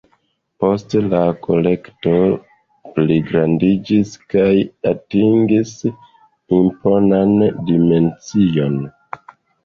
Poste la kolekto pligrandiĝis kaj atingis imponan dimension.